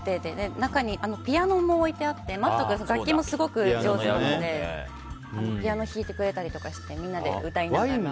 中にピアノも置いてあってＭａｔｔ君楽器もすごく上手なのでピアノを弾いてくれたりしてみんなで歌いながら。